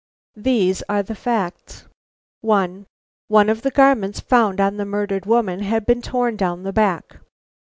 These are the facts: 1. One of the garments found on the murdered woman had been torn down the back.